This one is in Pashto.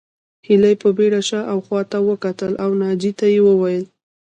هيلې په بېړه شا او خواته وکتل او ناجيې ته وویل